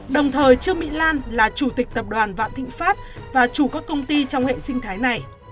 đồng thời trương mỹ lan là chủ tịch tập đoàn vạn thịnh pháp và chủ các công ty trong hệ sinh thái này